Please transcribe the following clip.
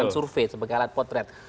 survei sebagai alat potret